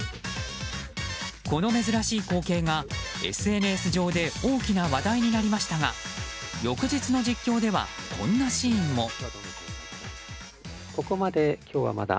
この珍しい光景がＳＮＳ上で大きな話題になりましたが翌日の実況ではこんなシーンも。